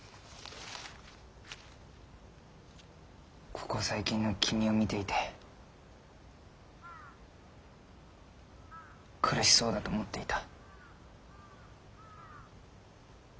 ここ最近の君を見ていて苦しそうだと思っていた。